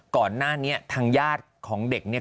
ก่อนหน้านี้ทางญาติของเด็กเนี่ย